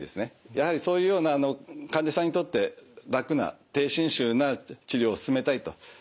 やはりそういうような患者さんにとって楽な低侵襲な治療を進めたいという意識はやはりみんな持ってます。